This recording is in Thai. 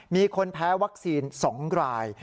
มีคนแพ้วัคซีน๒ราย